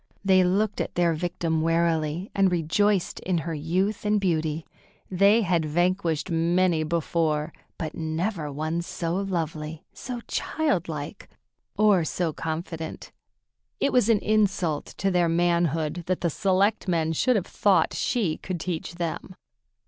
They looked at their victim warily, and rejoiced in her youth and beauty. They had vanquished many before, but never one so lovely, so child like, or so confident. It was an insult to their manhood that the selectmen should have thought she could teach them.